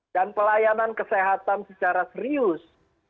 dan pelayanan kesehatan secara serius